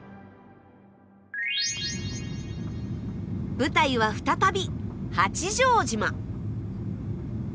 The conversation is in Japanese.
舞台は再び八丈島。